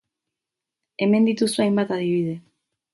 Hemen dituzue hainbat adibide.